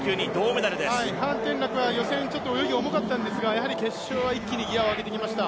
潘展樂は予選泳ぎが重かったんですけれども、やはり決勝は一気にギアを上げてきました。